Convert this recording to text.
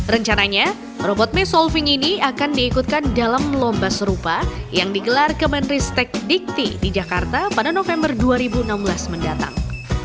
rencananya robot mie solving ini akan diikutkan dalam lomba serupa yang digelar kemenristek dikti di jakarta pada november dua ribu enam belas mendatang